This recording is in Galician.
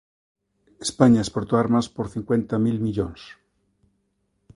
España exportou armas por cincuenta mil millóns